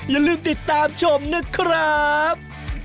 อย่าลืมติดตามชมนะครับ